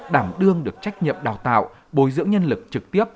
đảm đương được trách nhiệm đào tạo bồi dưỡng nhân lực trực tiếp